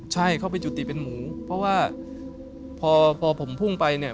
ใช่เขาเป็นจุติเป็นหมูเพราะว่าพอพอผมพุ่งไปเนี่ย